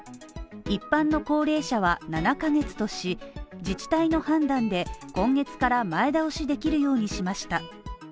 一般の高齢者は７ヶ月とし、自治体の判断で、今月から前倒しできるようにしました。